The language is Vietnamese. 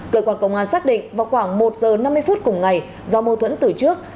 cơ quan công an xác định vào khoảng một giờ năm mươi phút cùng ngày do mâu thuẫn từ trước